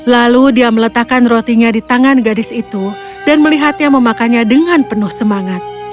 lalu dia meletakkan rotinya di tangan gadis itu dan melihatnya memakannya dengan penuh semangat